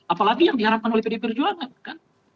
apalagi yang diharapkan oleh pdi perjuangan kan